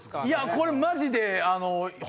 これマジで。